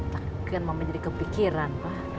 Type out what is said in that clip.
takut ma menjadi kepikiran pa